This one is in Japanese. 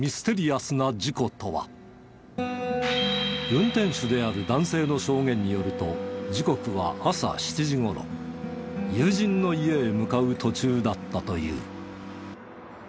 運転手である男性の証言によると時刻は朝７時頃友人の家へ向かう途中だったという。